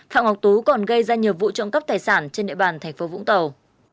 phạm ngọc tú còn gây ra nhiều vụ trộm cắp tài sản trên địa bàn tp vũng tàu